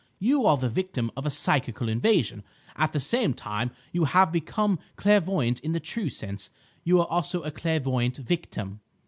You are the victim of a psychical invasion. At the same time, you have become clairvoyant in the true sense. You are also a clairvoyant victim."